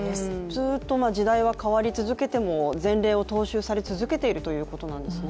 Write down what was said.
ずっと時代は変わり続けても前例を踏襲され続けているということですね。